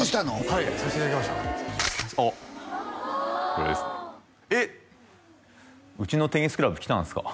はいさせていただきましたおっこれですねえっうちのテニスクラブ来たんすか？